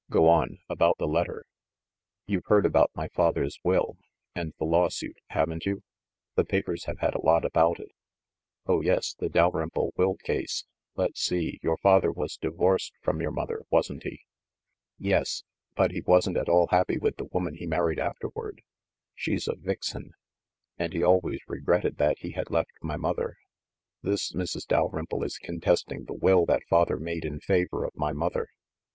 "Go on, — about the let ter." "You've heard about my father's will, and the law suit, haven't you? The papers haye had a lot about it." "Oh, yes, the Dalrymple will case. Let's see — your father was divorced from your mother, wasn't he?" "Yes; but he wasn't at all happy with the woman he married afterward — she's a vixen — and he always regretted that he had left my mother. This Mrs. Dal rymple is contesting the will that father made in favor of my mother.